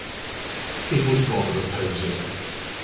â It was rather a poser.